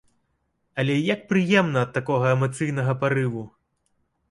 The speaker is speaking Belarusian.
Але як прыемна ад такога эмацыйнага парыву!